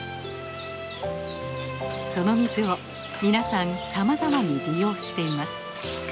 その水を皆さんさまざまに利用しています。